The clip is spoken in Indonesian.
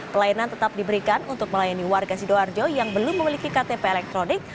pelayanan tetap diberikan untuk melayani warga sidoarjo yang belum memiliki ktp elektronik